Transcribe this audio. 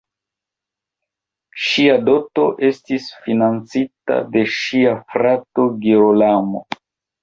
Ŝia doto estis financita de ŝia frato Girolamo.